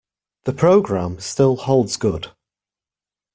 The programme still holds good.